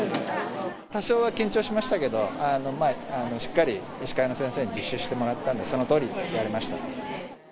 多少は緊張しましたけど、しっかり医師会の先生に実習してもらったので、そのとおりやれました。